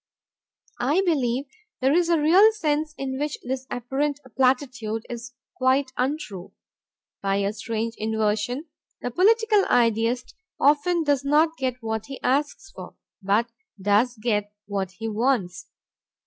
I believe there is a real sense in which this apparent platitude is quite untrue. By a strange inversion the political idealist often does not get what he asks for, but does get what he wants.